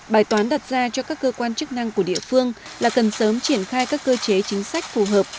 bài toán đặt ra cho các cơ quan chức năng của địa phương là cần sớm triển khai các cơ chế chính sách phù hợp